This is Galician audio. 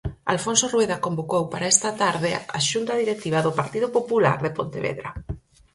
Alfonso Rueda convocou para esta tarde a xunta directiva do Partido Popular de Pontevedra.